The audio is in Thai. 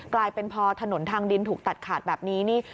กลายเป็นพอถนนทางดินถูกตัดขาดแบบนี้นี่